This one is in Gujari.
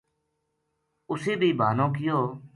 اُسیں بھی بہانو کیو